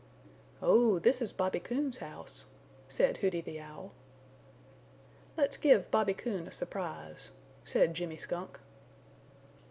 "Oh, this is Bobby Coon's house," said Hooty the Owl. "Let's give Bobby Coon a surprise," said Jimmy Skunk.